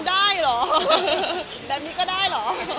ได้เหรอแบบนี้ก็ได้เหรอ